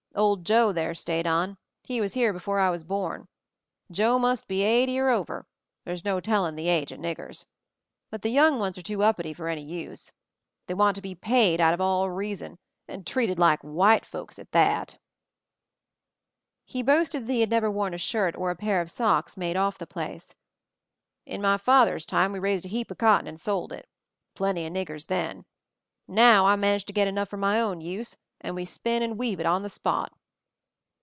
Old Joe there stayed on — he was here before I was born. Joe must be eighty or over — there's no telling the age of niggers. But the young ones are too uppity for any use. They want to be paid out of all reason, and treated like white folks at thatl" He boasted that he had never worn a shirt or a pair of socks made off the place. "In my father's time we raised a heap of cotton and sold it. Plenty of niggers then. Now I manage to get enough for my own use, and we spin and weave it on the spot